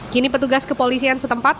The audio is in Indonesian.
kini petugas kepolisian setempat